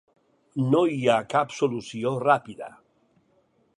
No hi ha cap solució ràpida.